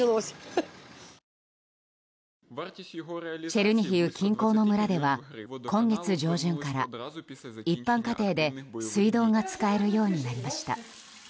チェルニヒウ近郊の村では今月上旬から一般家庭で水道が使えるようになりました。